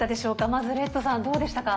まずレッドさんどうでしたか？